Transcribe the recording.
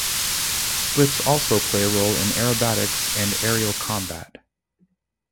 Slips also play a role in aerobatics and aerial combat.